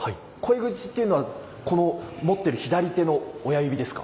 鯉口っていうのはこの持ってる左手の親指ですか？